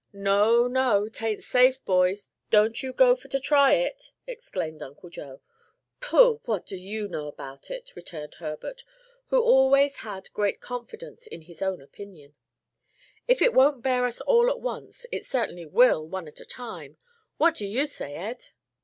"No, no, 'tain't safe, boys, don't you go for to try it," exclaimed Uncle Joe. "Pooh! what do you know about it?" returned Herbert, who always had great confidence in his own opinion. "If it won't bear us all at once, it certainly will one at a time. What do you say, Ed?"